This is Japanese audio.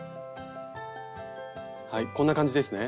はいこんな感じですね。